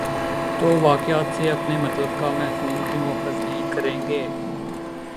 توواقعات سے اپنے مطلب کا مفہوم کیوں اخذ نہیں کریں گے؟